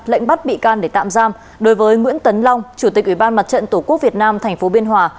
lệnh bắt bị can để tạm giam đối với nguyễn tấn long chủ tịch ủy ban mặt trận tổ quốc việt nam tp biên hòa